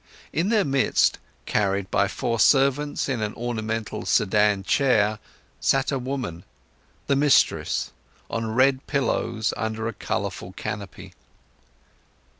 In their midst, carried by four servants in an ornamental sedan chair, sat a woman, the mistress, on red pillows under a colourful canopy.